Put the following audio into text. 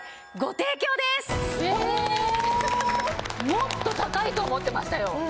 もっと高いと思ってましたよ。